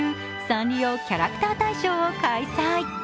サンリオキャラクター大賞を開催。